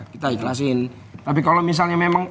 kita ikhlasin tapi kalau misalnya memang